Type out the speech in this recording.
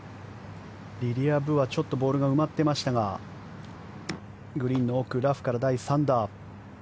リリア・ブはちょっとボールが埋まってましたがグリーンの奥ラフから第３打。